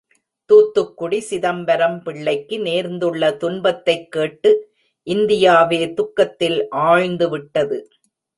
தூத்துக்குடி சிதம்பரம் பிள்ளைக்கு நேர்ந்துள்ள துன்பத்தைக் கேட்டு இந்தியாவே துக்கத்தில் ஆழ்ந்துவிட்டது.